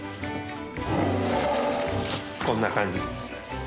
こんな感じです。